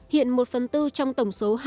hiện một phần tư trong tổng số